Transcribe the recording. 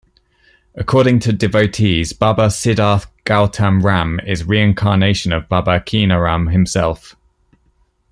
According to Devotees, Baba Siddharth Gautam Ram is reincarnation of Baba Keenaram himself.